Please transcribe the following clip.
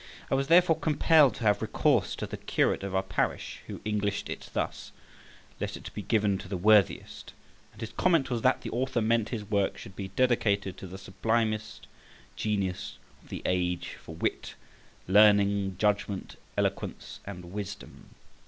I was therefore compelled to have recourse to the Curate of our Parish, who Englished it thus, Let it be given to the worthiest; and his comment was that the Author meant his work should be dedicated to the sublimest genius of the age for wit, learning, judgment, eloquence, and wisdom.